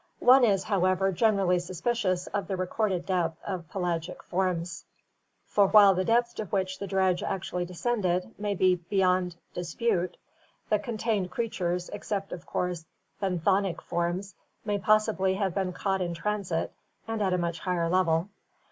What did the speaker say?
One is, however, generally suspicious of the re corded depth of pelagic forms, for while the depth to which the dredge actually descended may be beyond dispute, the contained creatures, except of course benthonic forms, may possibly have been caught in transit and at a much higher level.